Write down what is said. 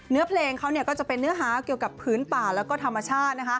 เนื้อเพลงเขาก็จะเป็นเนื้อหาเกี่ยวกับพื้นป่าแล้วก็ธรรมชาติ